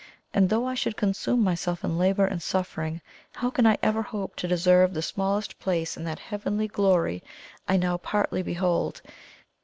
and though I should consume myself in labour and suffering, how can I ever hope to deserve the smallest place in that heavenly glory I now partly behold?"